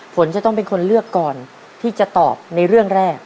ฝนจะต้องเป็นคนเลือกก่อนที่จะตอบในเรื่องแรก